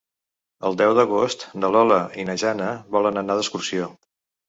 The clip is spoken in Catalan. El deu d'agost na Lola i na Jana volen anar d'excursió.